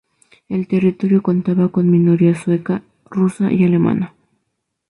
El territorio contaba con minoría sueca, rusa y alemana.